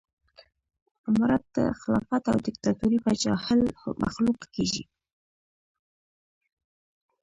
امارت خلافت او ديکتاتوري به جاهل مخلوق کېږي